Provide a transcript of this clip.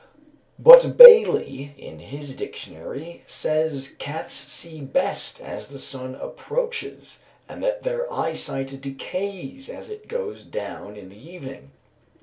But Bailey, in his dictionary, says cats see best as the sun approaches, and that their eyesight decays as it goes down in the evening.